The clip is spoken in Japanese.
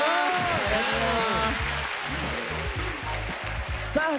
お願いします！